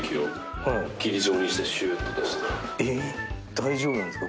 大丈夫なんですか？